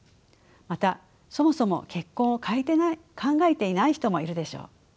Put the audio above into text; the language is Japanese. またそもそも結婚を考えていない人もいるでしょう。